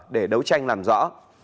để đấu tranh làm rõ